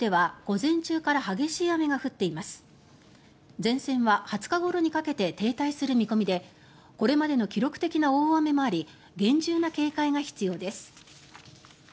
前線は２０日ごろにかけて停滞する見込みでこれまでの記録的な大雨もあり厳重な警戒が必要です。